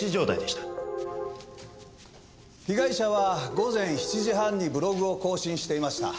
被害者は午前７時半にブログを更新していました。